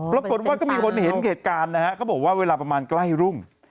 ปรากฏว่าก็มีคนเห็นเหตุการณ์นะฮะเขาบอกว่าเวลาประมาณใกล้รุ่ง